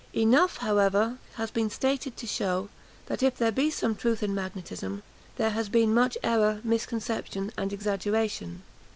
Enough, however, has been stated to shew, that if there be some truth in magnetism, there has been much error, misconception, and exaggeration.